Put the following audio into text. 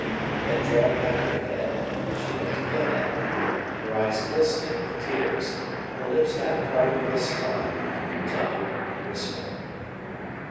Then drawing back her head, she looked again at me, her eyes glistening with tears, her lips half parted with a smile, tender and wistful.